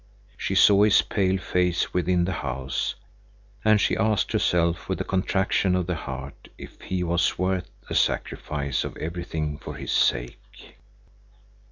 She saw his pale face within in the house, and she asked herself with a contraction of the heart if he was worth the sacrifice of everything for his sake.